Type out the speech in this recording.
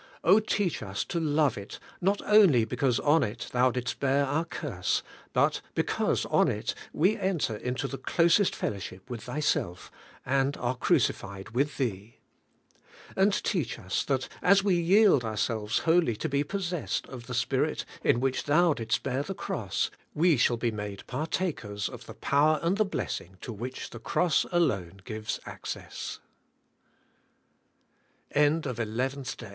teach us to love it not only because on it Thou didst bear our curse, but because on it we enter into the closest fellowship with Thyself, and are crucified with Thee. And teach us, that as we yield ourselves wholly to be possessed of the Spirit in which Thou didst bear the Cross, we shall be made partakers of the power and the blessing to which the Cross alone giv